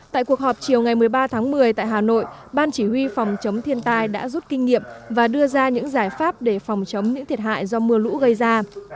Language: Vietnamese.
tại cuộc họp chiều ngày một mươi ba tháng một mươi tại hà nội ban chỉ huy phòng chống thiên tai đã rút kinh nghiệm và đưa ra những giải pháp để phòng chống những thiệt hại do mưa lũ gây ra